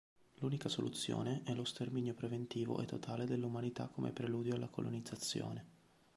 L’unica soluzione è lo sterminio preventivo e totale dell’umanità come preludio alla colonizzazione.